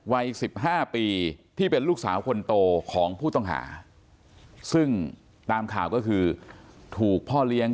วัย๑๕ปีที่เป็นลูกสาวคนโตของผู้ต้องหาซึ่งตามข่าวก็คือถูกพ่อเลี้ยง